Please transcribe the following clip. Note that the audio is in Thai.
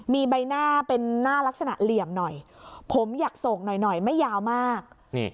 มีใบหน้าเป็นหน้าลักษณะเหลี่ยมหน่อยผมอยากโศกหน่อยไม่ยาวมาก